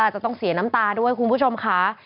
จะต้องเสียน้ำตาด้วยคุณผู้ชมค่ะ